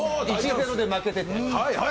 １ー０で負けてて。